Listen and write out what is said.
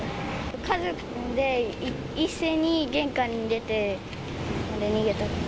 家族で一斉に玄関に出て、逃げた。